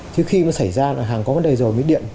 chứ khi mà xảy ra là hàng có vấn đề rồi mới điện